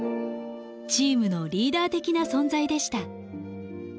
チームのリーダー的な存在でした。